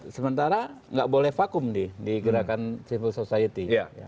sementara nggak boleh vakum di gerakan civil society